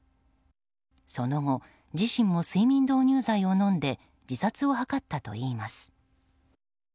その後、自身も睡眠導入剤を飲んで自殺を図ったといいます。